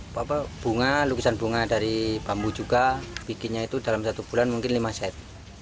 bunga lukisan bunga dari bambu juga bikinnya itu dalam satu bulan mungkin lima set